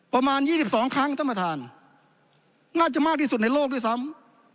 ประมาณ๒๒ครั้งน่าจะมากที่สุดในโลกด้วยซ้ำ